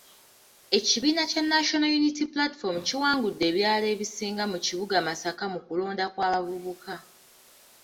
Ekibiina kya National Unity Platform kiwangudde ebyalo ebisinga mu kibuga Masaka mu kulonda kw’abavubuka.